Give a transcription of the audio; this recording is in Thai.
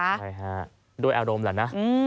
ใช่ฮะด้วยอารมณ์แหละนะ